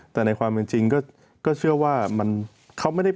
แต่ในความจริงก็เชื่อว่า